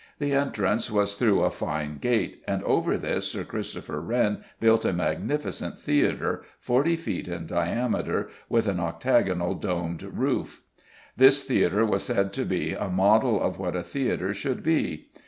The entrance was through a fine gate, and over this Sir Christopher Wren built a magnificent theatre, forty feet in diameter, with an octagonal domed roof. This theatre was said to be a model of what a theatre should be.